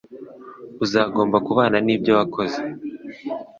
Uzagomba kubana nibyo wakoze.